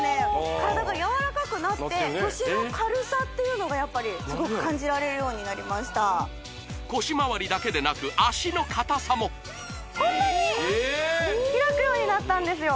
体がやわらかくなって腰の軽さっていうのがすごく感じられるようになりました腰回りだけでなく脚の硬さもこんなに開くようになったんですよ